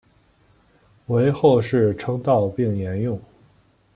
为后世称道并沿用。